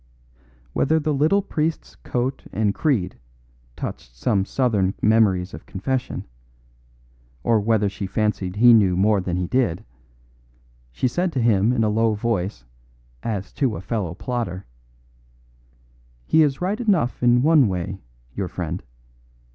Whether the little priest's coat and creed touched some southern memories of confession, or whether she fancied he knew more than he did, she said to him in a low voice as to a fellow plotter, "He is right enough in one way, your friend.